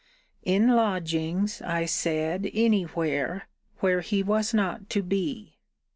In lodgings, I said, any where, where he was not to be.